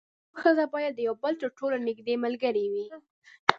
میړه او ښځه باید د یو بل تر ټولو نږدې ملګري وي.